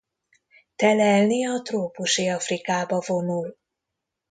Telelni a trópusi Afrikába vonul.